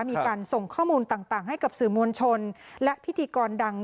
มีการส่งข้อมูลต่างให้กับสื่อมวลชนและพิธีกรดัง